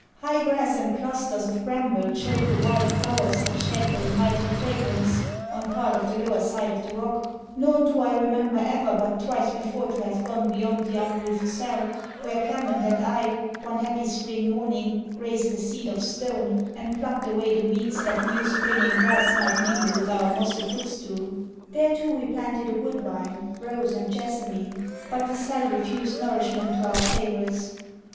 High grass and clusters of bramble choak the wild flowers that shed their inviting fragrance on part of the lower side of the rock, nor do I remember ever but twice before to have gone beyond the unroofed cell, where Clement and I, one happy spring morning, raised a seat of stone, and plucked away the weeds that new springing grass might mingle with our mossy foot stool. There too we planted a woodbine, rose, and jassamine, but the cell refused nourishment to our favorites.